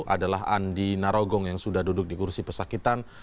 adalah andi narogong yang sudah duduk di kursi pesakitan